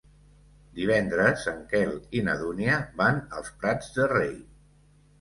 Divendres en Quel i na Dúnia van als Prats de Rei.